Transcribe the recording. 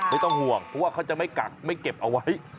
ไม่ต้องห่วงเพราะว่าเขาจะไม่กักไม่เก็บเอาไว้